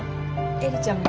映里ちゃんも。